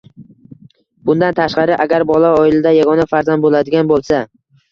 Bundan tashqari, agar bola oilada yagona farzand bo‘ladigan bo‘lsa